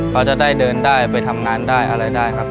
เขาจะได้เดินได้ไปทำงานได้อะไรได้ครับ